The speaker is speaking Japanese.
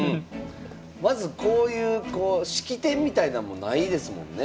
まずこういう式典みたいなものないですもんね。